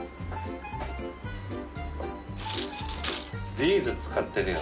ビーズ使ってるよ。